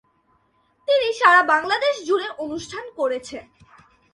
তিনি সারা বাংলাদেশ জুড়ে অনুষ্ঠান করেছেন।